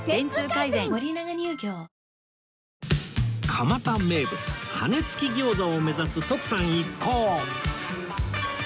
蒲田名物羽根付き餃子を目指す徳さん一行